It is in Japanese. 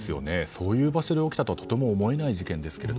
そういう場所で起きたとはとても思えない事件ですけど。